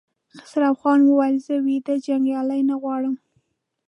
خسروخان وويل: زه ويده جنګيالي نه غواړم!